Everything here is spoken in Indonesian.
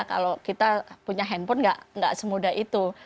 kalau kita punya handphone nggak semudah itu